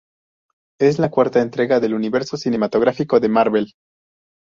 Es la cuarta entrega del universo cinematográfico de Marvel.